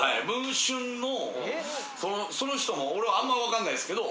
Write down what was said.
その人も俺あんま分かんないすけど。